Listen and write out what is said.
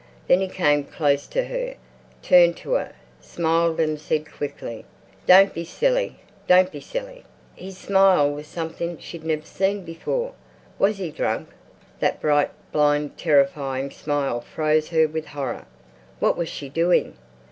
Then he came close to her, turned to her, smiled and said quickly, "Don't be silly! Don't be silly!" His smile was something she'd never seen before. Was he drunk? That bright, blind, terrifying smile froze her with horror. What was she doing?